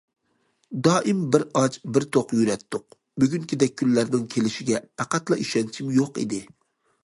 دائىم بىر ئاچ، بىر توق يۈرەتتۇق، بۈگۈنكىدەك كۈنلەرنىڭ كېلىشىگە پەقەتلا ئىشەنچىم يوق ئىدى.